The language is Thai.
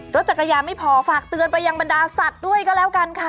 รถจักรยานไม่พอฝากเตือนไปยังบรรดาสัตว์ด้วยก็แล้วกันค่ะ